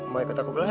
mau ikut aku belakang